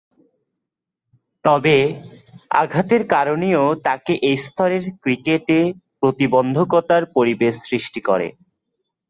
তবে, আঘাতের কারণেও তাকে এ স্তরের ক্রিকেটে প্রতিবন্ধকতার পরিবেশ সৃষ্টি করে।